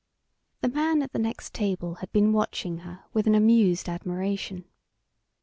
The man at the next table had been watching her with an amused admiration.